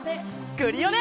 クリオネ！